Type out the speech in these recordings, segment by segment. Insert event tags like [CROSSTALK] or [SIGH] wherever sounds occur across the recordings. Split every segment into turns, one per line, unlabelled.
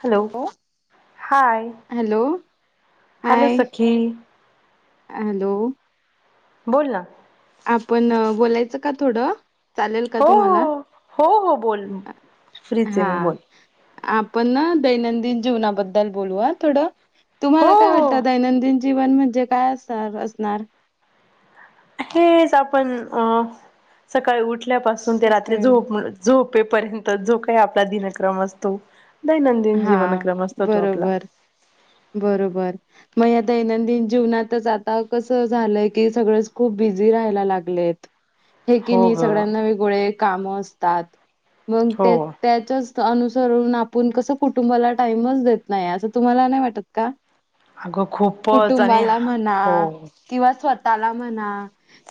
Hello
हो
hi!
Hello
hello
hi
सखी!
Hello!
बोल ना.
आपण बोलायचं का थोडं. चालेल का
हो
तुम्हाला
हो हो हो बोल फ्रीच आहे
हा.
मी बोल
आपण ना दैनंदिन जीवनाबद्दल बोलू थोडं
हो
तुम्हाला काय
हो
वाटत दैनंदिन जीवन म्हणजे काय अस असणार?
हेच आपण अं सकाळी उठल्यापासून ते रात्री
सकाळ
झोप झोप. रेपर्यंत जो काही आपला दिनक्रम असतो. दैनंदिन
हा
जीवनक्रम असतो तो आपला
बरोबर बरोबर मग दैनंदिन जीवनातच आता कसं झालंय की सगळंच खूप बिझी राहायला लागलेत. ठे
हो
किणी
ग
सगळ्यांना गोळे काम असतात मग
हो
ते त्याच्याच. अनुसरून आपण कसं कुटुंबाला टाइमच देत नाही असं तुम्हाला नाही वाटत का?
अगं खूपच आणि
कुटुंबाला म्हणा
हो
किंवा स्वतः ला म्हणा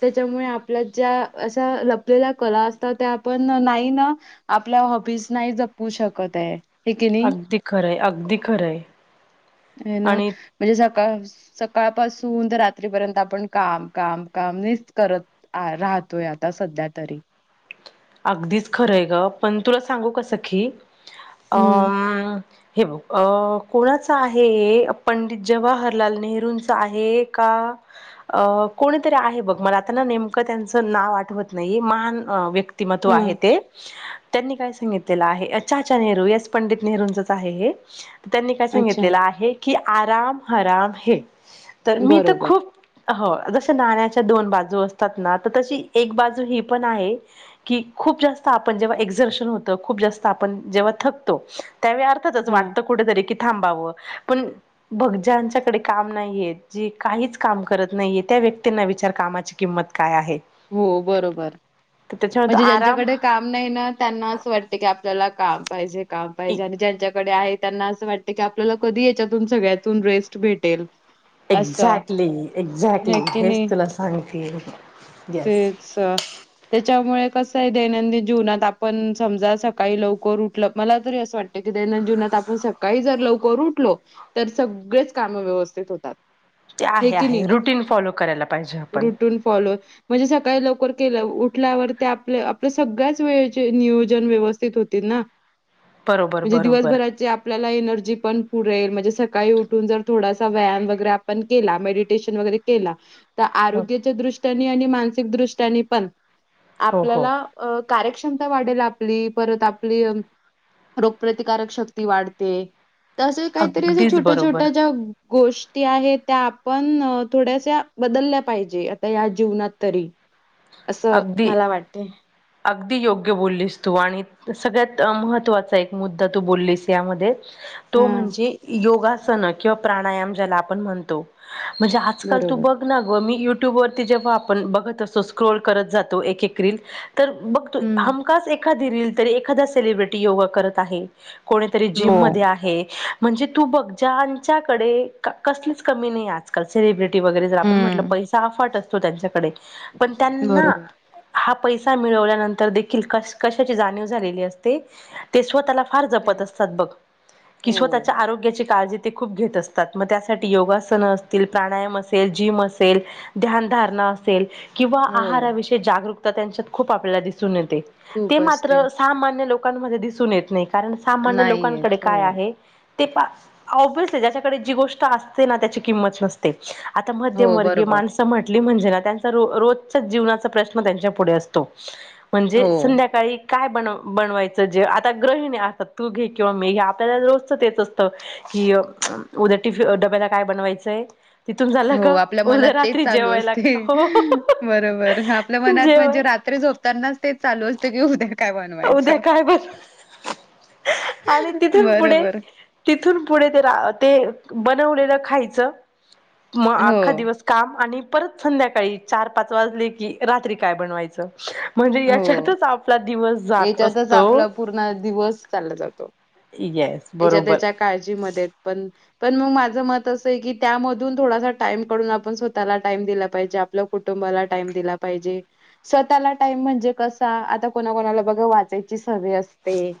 त्याच्यामुळे आपल्या ज्या अशा लपलेल्या कला असतात त्या आपण काही ना आपल्या हॉबीज नाही जपू शकत आहे. हे की नाही?
अगदी खरंय अगदी खरंय.
ना
आणि
म्हणजे स सकाळ पाासून तर रात्रीपर्यंत आपण काम काम काम नच करत. राहतोय आता सध्या तरी
अगदीच खरं आहे ग पण तुला सांगू सखी अ
हम्म.
हे बघ अ कोणाचं आहे पंडित जवाहरलाल नेहरूंचा आहे का. अ कोणीतरी आहे बघ मला आता नेमकं त्यांच नाव आठवत नाही महान व्यक्ती व्यक्तिमत्व आहे
हा.
ते. त्यांनी काय सांगितलेलं आहे, चाचा नेहरू येस पंडित नेहरूंचंच आहे हे,, त्यांनी काय
अच्छा.
सांगितलेलं आहे, की आराम हराम हे, तर मी तर
बरोबर.
खूप हो, जशा नाण्याच्या दोन बाजू असतात ना तर तशी एक बाजू ही पण आहे कि खूप जास्त आपण जेव्हा एक्झर्शन होत, खूप जास्त आपण जेव्हा थकतो त्यावेळी अर्थातच
हा.
वाटतं कुठेतरी की थांबावं,, पण बग ज्याचंकडे काम नाहीय,, जी काहीच काम करत नाही व्यक्तींना विचार कामाची किंमत काय आहे..
हो बरोबर,.
तर त्याच्यामध्ये
म्हणजे
आराम
ज्यांच्याकडे काम नाही ना, त्यांना असं वाटते की आपल्याला काम पाहिजे. काम पाहिजे, आणि ज्यांच्याकडे आहे त्यांना असं वाटत की आपल्याला कधी याच्यातून, सगळ्यातून रेस्ट भेटेल. असं.
एक्झॅक्टली,
हे
एक्झॅक्टली
की
हेच
नाही?
तुला सांगतेय.
तेच,, अ त्याच्यामुळेऽ कसय, दैनंदि जीवनात आपण समजा सकाळी लवकर उठलं,, मला तरी असं वाट की दैनंदजीवनात नात सकाळी जर लवकर उठलो, तर सगळेच काम व्यवस्थित होतात.
ते
हे
आहे,
की
आहे,
नाही
रुटीन फॉलो करायला पाहिजे पण.
रुटून फॉलो म्हणजे सकाळी लवकर केलं उठल्यावर ते आपल्या आपल्या सगळ्याच वेळेचे नियोजन व्यवस्थित होतील. ना,,
बरोबर
म्हजे
बरोबर
दिवसभरात आपल्याला एनर्जी पण पूरतेऽऽ ते,, म्हणजे सकाळी उठून जर थोडासा व्यायाम वगैरे आपण केला,, मेडिटेशन वगैरे केलाऽऽ तर
हो
आरोग्याच्या दृष्ट्याने आणि मानसिक दृष्ट्याने पण,
हो हो
आपल्याला अ कार्यक्षमता वाढेल आपली, परत आपली रोगप्रतिकारक शक्ती वाढते. तसं काहीतरी असं
अगदीच
छोट्या, छोट्या
बरोबर
ज्याऽऽ गोष्टी आहेत त्या आपण थोड्याश्या बदलल्या पाहिजे. या जीवनात तरी,, असं
अगदी
मला वाटते.
अगदी योग्य बोललीस तू आणि सगळ्यात महत्वाचा एक मुद्दा तू बोललीस यामध्येऽऽ तो
हां,
म्हणजे योगासन किंवा प्राणायाम ज्याला आपण म्हणतो. म्हणजे आजकाल तू
बरोबर.
बघ ना ग, मी युट्यूब वरती जेव्हा आपण बघत असोस स्क्रोल करत जातो एक - एक रिल्स तर
हं,
हमखास एक एखादी रिल, एखादा सेलिब्रिटी तरी योगा करत आहे, कोणीतरी
हो.
जिम मधे आहे,. म्हणजे तू बघ ज्याच्याकडे कसलीच कमी नाही आजकाल सेलिब्रिटी आपण, म्हटल
हं,
पण पैसा अफाट असतो त्यांच्याकडे पन त्याना
बरोबर.
हा पैसा मिळवल्यानंतर देखील कशाची जाणीव झालेली असते ते स्वतःला फार जपत असतात
त्यांच्या
बग,, कि
हो,
स्वताच्या आरो्याऽऽ काळजी ते खूप घेत असतात, म त्यासाठी योगासन असतील, पा्णायम असेल, जीम असेल, ध्यान धारणा असेल. किंवा
हो.
आहाराविषयी जागरूकता त्यांच्यात खूप आपल्याला दिसून येते,, ते
खूप असते.
मात्र सामान्य लोक लोकांमध्ये दिसून येत नाही कारण सामान्य
नाही
लोकांकडे
येत. हो,
काय आहे. ते ओबियसली ज्याच्याकडे जी गोष्ट असते ना त्याची किंमत नसते, आता
हो
मध्यमवर्गीय
बरोबर.
माणसं म्हटली म्हणजे ना त्यांचा रोजच्या जीवनाचा प्रश्न त्यांच्या पुढ असतो,, म्हणजे
हो.
संध्याकाळी काय बन बनवायचं जे,, आता ग्रहिणी असतात तू घे किंवा मी घे आपल्याला, रोजच तेच असतं कि उद्या टिफी, डब्याला काय बनवायचंय? तिथून झालं
हो
का,
आपल्या मनात
उद्या
तेच
रात्री
चालू
जेवायला,
असते.
होऽऽ
बरोबर, आपल्या मनात म्हणजे रात्री झोपतानाच तेच चालू असते की उद्याऽऽ
उद्या काय बर? आणि तिथून पुढे,
बरोबर
तिथून पुढे ते रा तेऽऽ बनवलेलं खायचं, म
हो,
अख्खा दिवस काम आणिऽऽ परत संध्याकाळी चार, पाच वाजले की रात्री काय बनवायच,, म्हणजे
हो.
याच्यातच आपऽऽ
याच्यातच आपला पूर्ण दिवस चालला जातो.
येस
याच्या,
बरोबर
त्याच्या काळजीमध्ये पणऽऽ पण मग माझं मत असं आहे की त्यामधून थोडासा टाइम काढून आपण स्वतःला टाईम दिला पाहिजे आपला फोटो मला टाईम दिला पाहिजे स्वतःला टाईम म्हणजे कसा आता कोणा कोणाला बघा वाचायची सवय म चांगली असते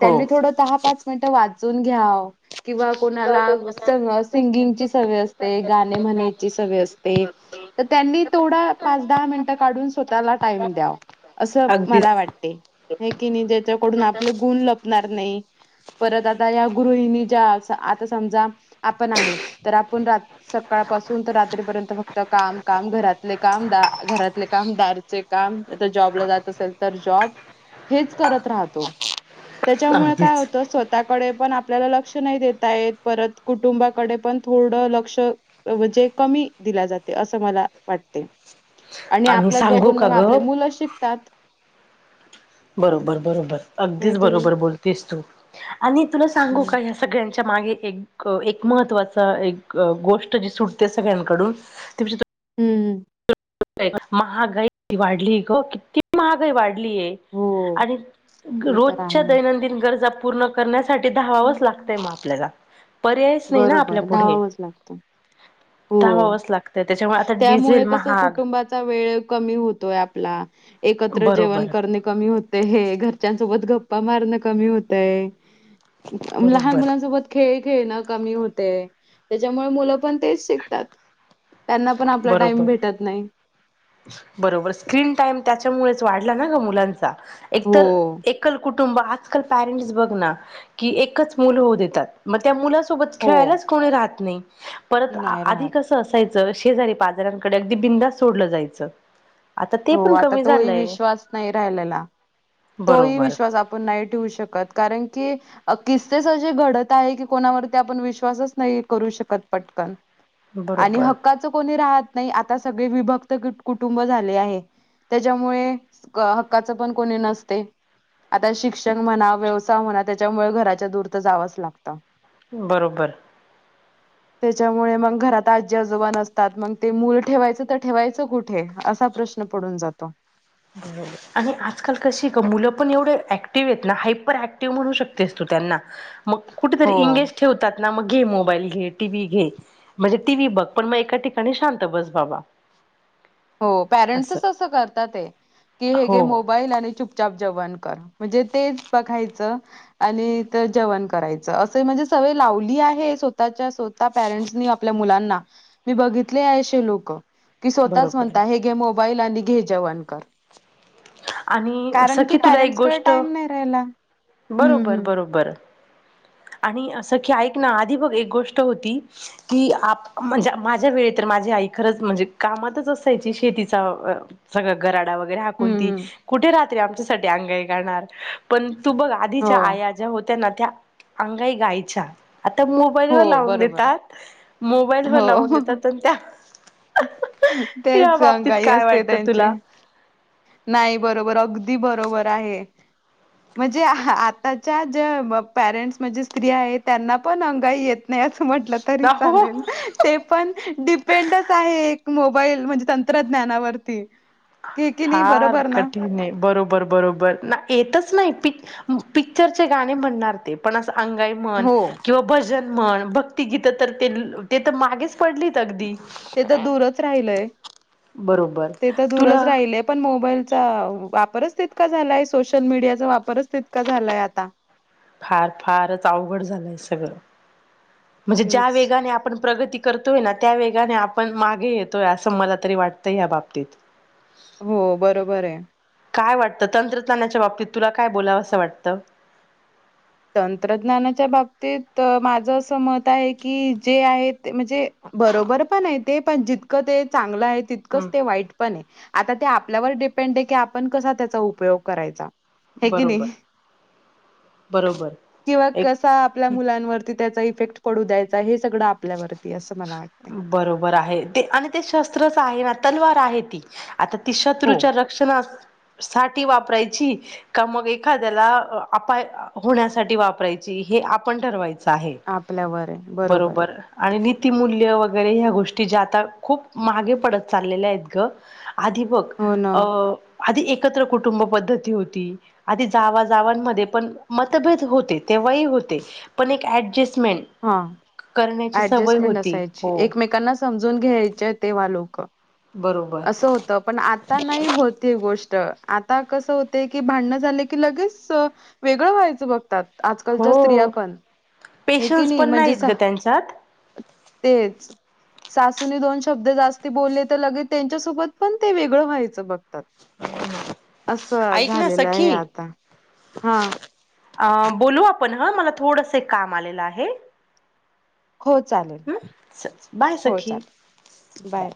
हो
थोड दहा पाच मिनिट वाचून घ्यावं. किंवा कोणाला सिंगिंगची सवय असते गाणे म्हणायची सवय असते. तर त्यांनी तेवढा पाच दहा मिनटं काढून स्वतःला टाईम द्याव. असं मला
अगदीच
वाटते हाय की नाही ज्याच्याकडून आपले गुण लपणार नाही परत आता या गृहिणी ज्या आता समजा आपण आहे तर आपण सकाळपासून रात्रीपर्यंत फक्त काम काम घरातले काम दा घरातले काम दारचे काम आता जॉबला जात असेल तर जॉब हेच करत राहतो त्याच्यामुळे काय
अगदीच
होतं. स्वतःडे पण आपल्याला लक्ष नाही देता य परत कुटुंबाकडे पण थोड लक्ष अ म्हणजे कमी दिला जाते अस मला वाटते. आणि आपलंच
सांगू
बघून
का
मग
ग
आपले मुलंच शिकतात.
बरोबर बरोबर
हे
अगदीच
की नाही
बरोबर बोलतेस तू आणि तुला सांगू
हम्म
का ह सगळ्यांन मागे एक एक महत्वाच एक गोष्ट जी सुटते सगळ्यांकडून ती
हम्म
महागाई किती वाढली गं किती महागाई वाढली.
हो
[UNINTELLIGIBLE] आणि
ते तर
रोजच्या
आहे
दैनंदिन गरजा पूर्ण करण्यासाठी साठी धावावच
हम्म
लागतंय मग आपल्याला पर्यायच नाही ना आपल्या
बरोबर
पुढे
धावावंच लागतं. हो
धावावाच लागतय त्याच्यामुळे आता डिझेल
त्यामुळे कसं
महाग
कुटुंबाचा वेळ कमी होतोय आपला एकत्र जेवण
बरोबर
करणे कमी होतेय हे घरच्यासोबत गप्प गप्पा मारणं कमी होतय लहान
बरोबर
मुलांसोबत खेळ खेळ ना कमी होते य त्याच्यामुळे मुलं पण तेच शिकतात. त्यांना पण आपला टाईम
बरोबर
भेटत नाही.
बरोबर स्क्रीन टाईम त्याच्यामुळेच वाढला ना ग मुलांचा एक तर
हो.
एकल कुठं कुंटूब आजकाल पेरेंट्स बघ ना की एकच मूल होऊन देतात मग त्या मूलासोब मुलासोबत
हो
खेळायलाच कोणी राहत नाही परत
नाही
आधी
राहत.
कसं असायच. शेजारी पाजाऱ्यांकडे अगदी बिनधास्त सोडलं जायचं. आता ते
हो
पण
आता
कमी
तोही
झालंय
विश्वास नाही राहिलेला. तोही
बरोबर
विश्वास आपण नाही ठेवू शकत कारण की किस्सेच घडत आहे की कोणावरती आपण विश्वासच नाही करू शकत पटकन. आणि
बरोबर
हक्काच कोणी राहत नाही आता सगळे विभक्त कुटुंब झाले आहे. त्याच्यामुळे हक्काचं पण कोणी नसत. ते आता शिक्षण म्हणा व्यवसाय म्हणा त्याच्यामुळे घराच्या दूर तर जावंच लागत.
बरोबर.
[INAUDIBLE] त्याच्यामुळे मग घरात आजी आजोबा नसतात मग ते मूलं ठेवायचं तर ठेवायचं कुठे असा प्रश्न प्रश्न पडून जातो.
बर आणि आजकाल कशी आहे का मुलं पण एवढं ऍक्टिव्ह आहेत ना हायपर ऍक्टिव्ह म्हणू शकतेस तू त्यांना. मग कुठेतरी
हो.
इंगेज ठेवतात. मग घे मोबाईल घे टी व्ही घे म्हणजे टी व्ही बघ पण मग एका ठिकाणी शांत बस बाबा.
हो, पॅरेंट्स असं करतातय. की हे
हो
घे
हो
मोबाईल आणि चुपचाप जेवण कर. म्हणजे तेच बघायचं आणि इथ जेवण करायच. अस म्हणजे सवय ला लावली आहे, स्वतःच्याच स्वतः परेंट्स नी आपल्या मुलांना. मी बघितलेय असे लोकं. स्वतःच
बरोबर
म्हणता हे घे, मोबाईल आणि घे जेवण. कर.
आणि
कारण की,
सखी तुला एक
पॅरेंट्सकडे
गोष्ट
टाईम नाही राहिला. हम्म
बरोबर-
हम्म.
बरोबर.
[INAUDIBLE]
आणि असं की ऐक ना, आधी बघ एक गोष्ट होती. की, आप म्हणजे माझ्या वेळी तर माझी आई खरंच म्हणजे कामातच असायची. शेतीचा सगळा गराडा वग कुन
हम्म
ती
हम्म
कुठे रात्री आमच्या साठी अंगाई गाणार. पण तू बघ
हो
आधीच्या आया ज्या होत त्यांना त्या अंगाई गायच्या. आता मोबाईल वर
हो
लावून
बरोबर
देतात. मोबाईल वर लावून
हो.
देतात न त्या
[UNINTELLIGIBLE]
या
तेच
बाबतीत
अंगाई
काय
असते
वाटतं
त्यांची.
तुला?
नाही बरोबर अग दी बरोबर आहे. म्हणजे आताच्या ज्या परेंट्स म्हणजे स्त्री आहेत, त्यांना पण येत नाही असं म्हटलं तरी
हो
चालेल. [UNINTELLIGIBLE] तेपण डीपेंडच आहे एक मोबाईल, म्हणजे तंत्रज्ञानावरती. की की नाही
फार
बरोबर ना
कठीणय. बरोबर- बरोबर. ना येतच नाही पी पिक्चर चे गाने म्हणनार ते. पण अंगाई मन
हो
किंवा भजन मण भक्ती गीत तर ते तर मागेच पडलीत अगदी
ते तर दूरच राहिलय,
बरोबर
ते तर दूरच
तुला
राहिलय. पण मोबाईलचा, वापरच तितका झालाय. सोशल मीडियाचा वापरच तितका झालाय आता.
फार - फारच अवघड झालंय सगळं. म्हणजे ज्या
तेच
वेगाने आपण प्र प्रगती करतोय ना, त्या वेगाने आपण मागे येतोय, असं मला तरी वाटतं या बाबतीत.
हो बरोबरय.
काय वाटतं? तंत्रज्ञानाच्या बाबतीत तुला काय बोलावं असं वाटतं?
तंत्रज्ञानाच्या बाबतीत, माझं असं मत आहे की, जे आहेत ते म्हणजे, बरोबर पणय ते पण, जितकं ते चांगलंय तितकंच
हम्म
ते वाईट पणय. आता ते आपल्यावर डिपेंड आहे की, आपण कसा त्याचा उपयोग करायचा. हे की
बरोबर,
नाही
बरोबर.
किंवा
एक
कसा आपल्या मुलांवरती त्याचा इफेक्ट पडू द्यायचा हे सगळं आपल्यावरती आहे, असं मला वाटते
बरोबर आहे ते आणि ते शस्त्रच आहे ना, तलवार आहे ती. आता ती
हो
शत्रूच्या रक्षणा साठी वापरायची, का मग, एखाद्याला अपाय होण्यासाठी वापरायची. हे आपण ठरवायचं आहे.
आपल्यावर आहे
बरोबर. आणि नीतीमूल्य, वगैरे ह्या गोष्टी ज्या आता खूप मागे पडत चाललेल्यायत ग. आधि बघ,
हो ना
अ आधी एकत्र कुटुंब पद्धती होती. आधी जावा-जावांमध्ये पण मतभेद होते ते तेंव्हा ही होते. पण ऍडजस्टमेंट करण्याची सवय
ॲडजस्टमेंट
होती
असायची.
हो
एकमेकांना समजून घ्यायच्या, तेव्हा लोक.
बरोबर
असं होत. पण आता नाही होत ही गोष्ट आता कसं होते की भांडण झाले की, लगेच वेगळं व्हायचं बघतात. आजकालच्या स्त्रिया
हो
पण. हे की
पेशन्स
नाही
पण
म्हणजे
नाहीत
स
ग त्यांच्यात
तेच. सासूने दोन शब्द जास्ती बोलले तर, लगेच त्यांच्यासोबत पण ते वेगळं व्हायचं बघ तात. असं
ऐक ना
झालेलं आहे
सखी
आता. हा.
अ बोलू आपण ह, मला थोडस काम आलेलं आहे.
हो चालेल,
हम्म बाय
हो
सखी
चालेल. बाय.